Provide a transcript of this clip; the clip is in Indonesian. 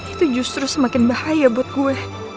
itu justru semakin bahaya buat gue